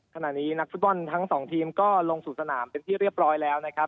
นักฟุตบอลทั้งสองทีมก็ลงสู่สนามเป็นที่เรียบร้อยแล้วนะครับ